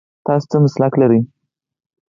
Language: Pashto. تاسو څه مسلک لرئ ؟